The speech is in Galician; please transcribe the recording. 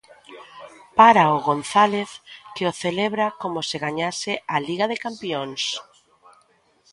Párao González, que o celebra como se gañase a Liga de Campións.